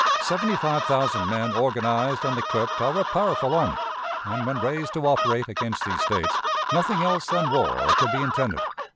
Seventy five thousand men organized and equipped are a powerful army, and, when raised to operate against these States, nothing else than war could be intended.